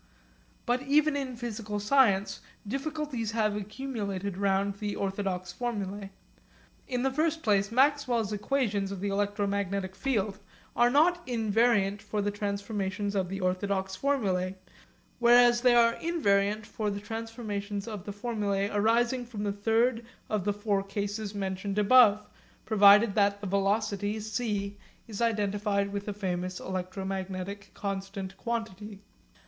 But even in physical science difficulties have accumulated round the orthodox formulae. In the first place Maxwell's equations of the electromagnetic field are not invariant for the transformations of the orthodox formulae; whereas they are invariant for the transformations of the formulae arising from the third of the four cases mentioned above, provided that the velocity c is identified with a famous electromagnetic constant quantity.